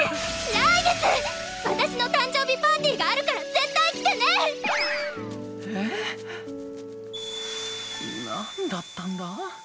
来月私の誕生日パーティーがあるから絶対来てね！へ⁉何だったんだ？